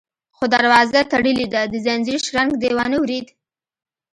_خو دروازه تړلې ده، د ځنځير شرنګ دې وانه ورېد؟